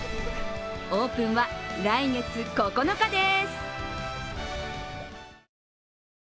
オープンは来月９日です。